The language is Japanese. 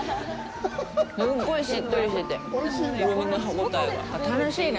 すごいしっとりしててクルミの歯応えが楽しいね。